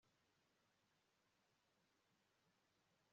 Kutageragezwa yaba afite ubudahangarwa